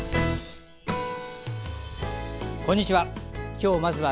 こんにちは。